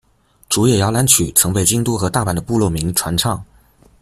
竹田摇篮曲曾被京都和大阪的部落民传唱。